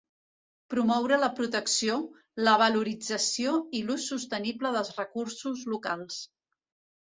Promoure la protecció, la valorització i l'ús sostenible dels recursos locals.